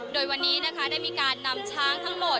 โดยวันนี้นะคะได้มีการนำช้างทั้งหมด